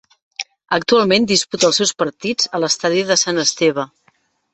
Actualment disputa els seus partits a l'Estadi de Sant Esteve.